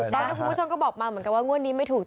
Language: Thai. ตอนนี้คุณผู้ชมก็บอกมาเหมือนกันว่างวดนี้ไม่ถูก